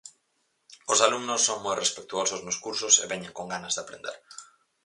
Os alumnos son moi respectuosos nos cursos, e veñen con ganas de aprender.